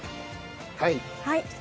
はい。